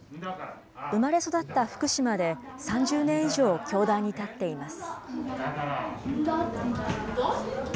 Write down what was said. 生まれ育った福島で、３０年以上教壇に立っています。